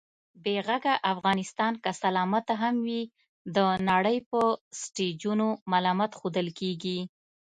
بې غږه افغانستان که سلامت هم وي، د نړۍ په سټېجونو ملامت ښودل کېږي